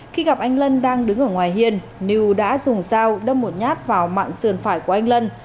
khi gặp anh lân đang đứng ở ngoài hiên niu đã dùng dao đâm một nhát vào mạng sườn phải của anh lân